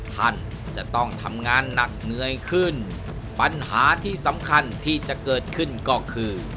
ท่านจะต้องทำงานหนักเหนื่อยขึ้นปัญหาที่สำคัญที่จะเกิดขึ้นก็คือ